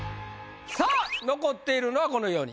さあ残っているのはこの４人。